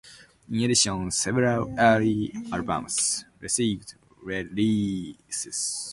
In addition, several early albums received re-releases.